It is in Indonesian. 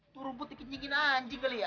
turun putih kecingin anjing kali ya